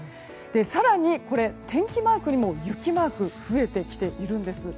更に天気マークにも雪マーク増えてきているんです。